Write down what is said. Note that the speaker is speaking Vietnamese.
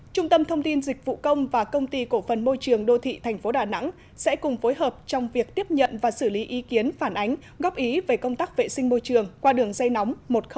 trung tâm thông tin dịch vụ công và công ty cổ phần môi trường đô thị tp đà nẵng sẽ cùng phối hợp trong việc tiếp nhận và xử lý ý kiến phản ánh góp ý về công tác vệ sinh môi trường qua đường dây nóng một nghìn một trăm linh